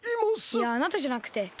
いやあなたじゃなくて。